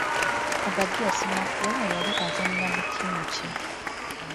Obadia Ssemakula yali azannyira mu ttiimu ki ?